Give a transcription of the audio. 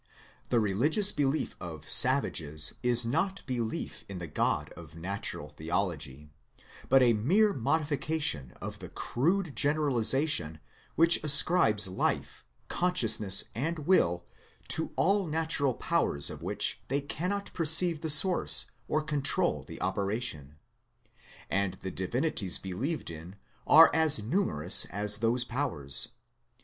The religious belief of savages is not be lief in the God of Natural Theology, but a mere mo dification of the crude generalization which ascribes 158 THEISM life, consciousness and will to all natural powers of which they cannot perceive the source or control the operation. And the divinities believed in are as numerous as those powers.